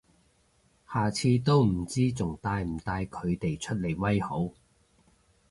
下次都唔知仲帶唔帶佢哋出嚟威好